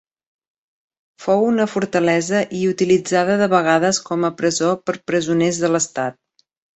Fou una fortalesa i utilitzada de vegades com a presó per presoners de l'estat.